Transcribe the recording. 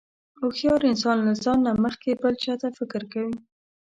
هوښیار انسان له ځان نه مخکې بل چاته فکر کوي.